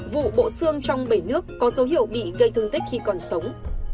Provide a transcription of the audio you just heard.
vụ bộ xương trong bể nước có dấu hiệu bị gây thương tích khi còn sống